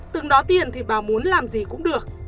từng đó tiền thì bà muốn làm gì cũng được